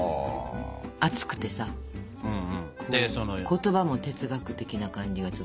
熱くてさ言葉も哲学的な感じがちょっとする。